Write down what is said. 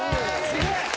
すごい！